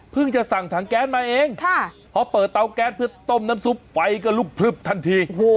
จะสั่งถังแก๊สมาเองพอเปิดเตาแก๊สเพื่อต้มน้ำซุปไฟก็ลุกพลึบทันที